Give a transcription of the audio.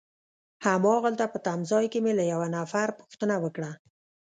هماغلته په تمځای کي مې له یوه نفر پوښتنه وکړه.